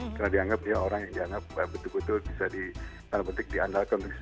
karena dianggap dia orang yang dianggap betul betul bisa diandalkan